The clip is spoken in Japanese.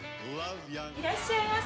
いらっしゃいませ。